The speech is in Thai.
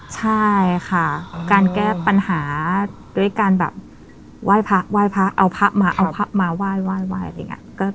ใช่ค่ะการแก้ปัญหาด้วยการแบบไหว้พระไหว้พระเอาพระมาเอาพระมาไหว้อะไรอย่างนี้